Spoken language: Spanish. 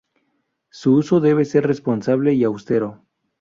Su uso debe ser responsable y austero.